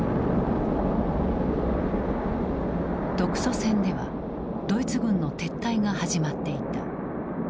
独ソ戦ではドイツ軍の撤退が始まっていた。